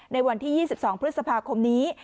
ในวันที่๒๒พฤษภาคมนี้